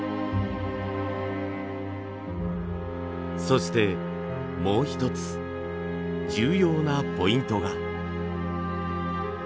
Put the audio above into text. そしてもう一つ重要なポイントが。